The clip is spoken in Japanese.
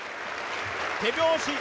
手拍子。